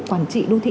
quản trị đô thị